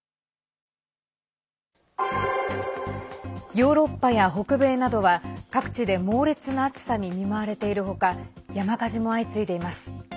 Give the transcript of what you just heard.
ヨーロッパや北米などは各地で猛烈な暑さに見舞われている他山火事も相次いでいます。